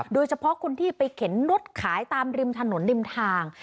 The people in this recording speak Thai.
โดยเฉพาะคนที่ไปเข็นรถขายตามริมถนนริมทาง